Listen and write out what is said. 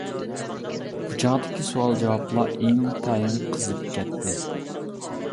بۇ چاغدىكى سوئال-جاۋابلار ئىنتايىن قىزىپ كەتتى.